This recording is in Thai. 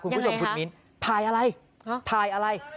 คุณผู้ชมฐุลมินทร์แทนอะไรแทนอะไรโทรธัยอะไร